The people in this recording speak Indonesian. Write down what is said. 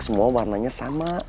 semua warnanya sama